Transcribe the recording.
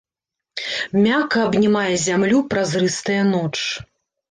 Мякка абнімае зямлю празрыстая ноч.